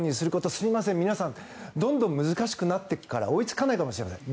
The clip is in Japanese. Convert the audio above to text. すみません、皆さんどんどん難しくなっていくから追いつかないかもしれません。